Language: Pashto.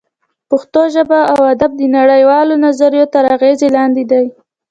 پښتو ژبه او ادب د نړۍ والو نظریو تر اغېز لاندې دی